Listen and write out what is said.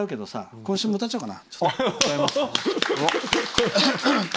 今週も歌っちゃおうかな。